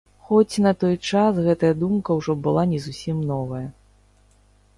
Хоць на той час гэтая думка ўжо была не зусім новая.